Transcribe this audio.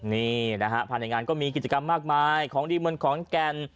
นี่นะฮะภายในงานก็มีกิจกรรมมากมายของดีเมืองขอนแก่น